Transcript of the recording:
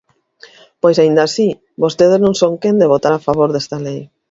¡Pois aínda así vostedes non son quen de votar a favor desta lei!